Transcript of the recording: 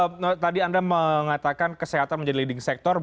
bu neti tadi anda mengatakan kesehatan menjadi leading sector ya